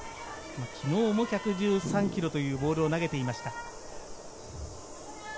昨日も１１３キロというボールを投げていました。